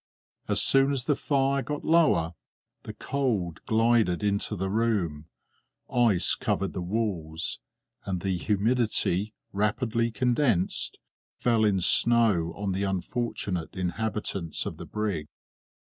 As soon as the fire got lower, the cold glided into the room; ice covered the walls, and the humidity, rapidly condensed, fell in snow on the unfortunate inhabitants of the brig.